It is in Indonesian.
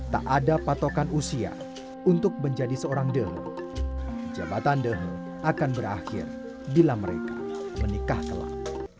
tak ada patokan usia untuk menjadi seorang demo jabatan deho akan berakhir bila mereka menikah kelak